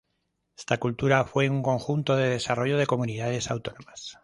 Esta cultura fue un conjunto de desarrollo de comunidades autónomas.